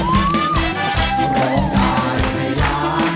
เพื่อร้องได้ให้ร้าง